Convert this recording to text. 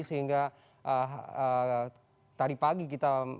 sehingga tadi pagi kita